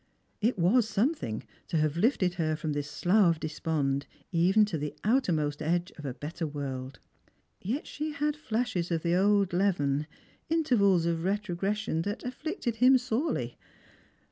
It was something to have hfted her from this slough of despond even to the outermost edge of a better world. Yet she had flashes of the old leaven, intervals of retrogres sion that afflicted him sorely.